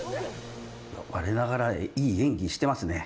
我ながらいい演技してますね。